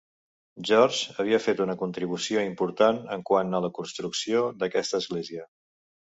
George havia fet una contribució important en quant a la construcció d'aquesta església.